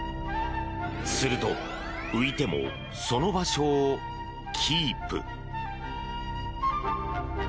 すると浮いてもその場所をキープ。